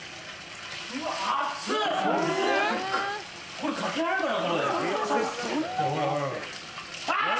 これ、かけられるかな？